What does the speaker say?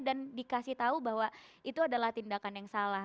dan dikasih tahu bahwa itu adalah tindakan yang salah